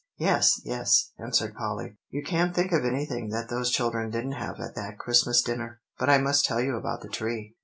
"Yes yes," answered Polly. "You can't think of anything that those children didn't have at that Christmas dinner. But I must tell you about the tree.